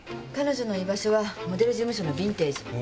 彼女の居場所はモデル事務所のヴィンテージ。